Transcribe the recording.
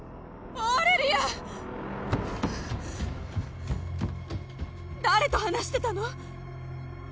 オーレリア誰と話してたの？